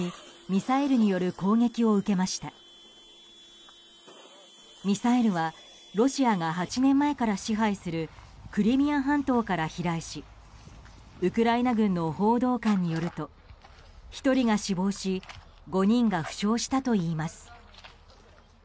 ミサイルはロシアが８年前から支配するクリミア半島から飛来しウクライナ軍の報道官によると１人が死亡し５人が負傷したといいます。